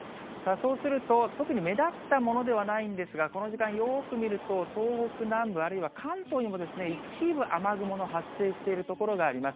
そうすると、特に目立ったものではないんですが、この時間、よーく見ると、東北南部、あるいは関東にも一部雨雲の発生している所があります。